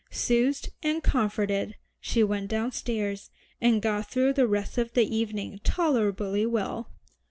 Soothed and comforted she went downstairs, and got through the rest of the evening tolerably well.